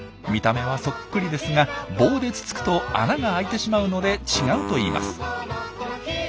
見た目はそっくりですが棒でつつくと穴があいてしまうので違うといいます。